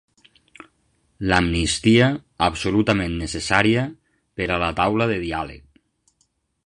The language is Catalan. L'amnistia, absolutament necessària per a la taula de diàleg.